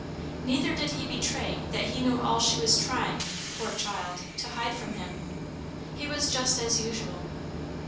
Neither did he betray that he knew all she was trying, poor child, to hide from him. He was just as usual.